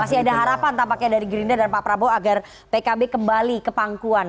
masih ada harapan tampaknya dari gerindra dan pak prabowo agar pkb kembali ke pangkuan